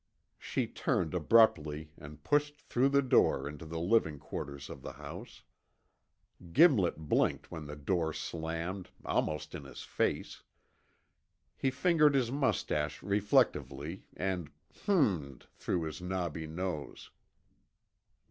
She turned abruptly and pushed through the door into the living quarters of the house. Gimlet blinked when the door slammed, almost in his face. He fingered his mustache reflectively and h'mmm'd through his knobby nose.